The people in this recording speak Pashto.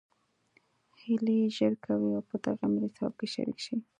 هلئ ژر کوئ او په دغه ملي ثواب کې شریک شئ